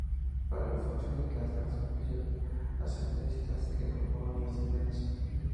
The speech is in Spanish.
Para la Función Legislativa son elegidos asambleístas que conformarán la Asamblea Nacional.